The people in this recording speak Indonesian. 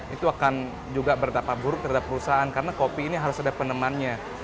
itu akan juga berdampak buruk terhadap perusahaan karena kopi ini harus ada penemannya